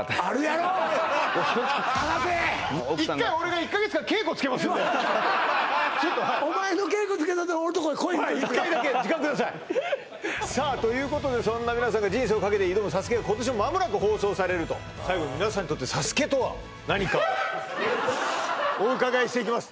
頼むお前の稽古つけたら俺のとこ来い言うといて１回だけ時間くださいさあということでそんな皆さんが人生をかけて挑むＳＡＳＵＫＥが今年も間もなく放送されると最後に皆さんにとってＳＡＳＵＫＥとは何かをお伺いしていきます